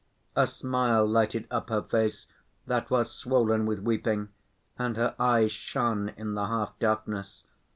A smile lighted up her face that was swollen with weeping, and her eyes shone in the half darkness.